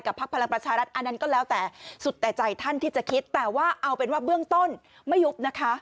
พักพลังประชารัฐอันนั้นก็แล้วแต่สุดแต่ใจท่านที่จะคิดแต่ว่าเอาเป็นว่าเบื้องต้นไม่ยุบนะคะ